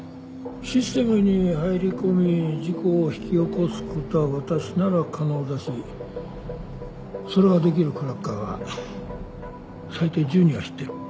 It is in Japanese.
システムに入りこみ事故を引き起こすことは私なら可能だしそれができるクラッカーは最低１０人は知ってる。